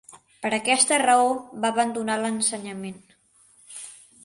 Per aquesta raó va abandonar l'ensenyament.